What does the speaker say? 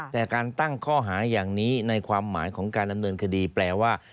แต่การตั้งข้อหาอย่างนี้ในความหมายของการดำเนินคดีแปลว่า